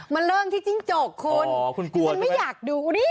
มันเริ่มที่จิ้งจกคุณ